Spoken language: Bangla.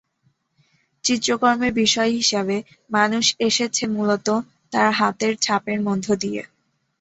চিত্রকর্মের বিষয় হিসাবে মানুষ এসেছে মূলতঃ তার হাতের ছাপ এর মধ্য দিয়ে।